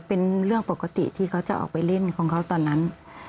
เป็นเรื่องปกติที่เขาจะออกไปเล่นของเขาตอนนั้น